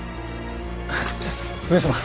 上様。